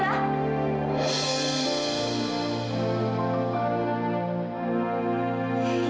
ada apa sih mila